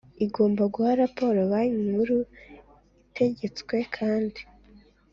igomba guha raporo Banki Nkuru Itegetswe kandi